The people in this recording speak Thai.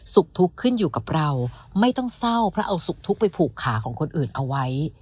ทุกข์ขึ้นอยู่กับเราไม่ต้องเศร้าเพราะเอาสุขทุกข์ไปผูกขาของคนอื่นเอาไว้